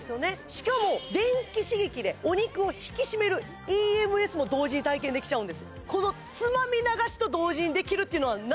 しかも電気刺激でお肉を引き締めるＥＭＳも同時に体験できちゃうんですそうなんですよ